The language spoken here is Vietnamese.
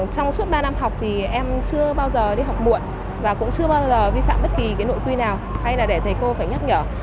trong suốt ba năm học thì em chưa bao giờ đi học muộn và cũng chưa bao giờ vi phạm bất kỳ cái nội quy nào hay là để thầy cô phải nhắc nhở